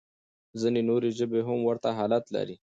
ځينې نورې ژبې هم ورته حالت لري.